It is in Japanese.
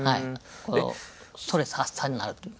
ストレス発散になるというか。